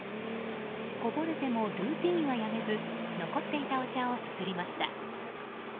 こぼれてもルーティンはやめず残っていたお茶をすすりました。